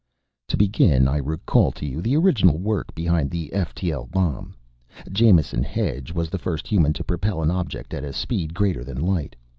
"To begin, I recall to you the original work behind the ftl bomb. Jamison Hedge was the first human to propel an object at a speed greater than light.